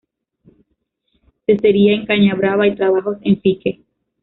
Cestería en caña brava y trabajos en fique.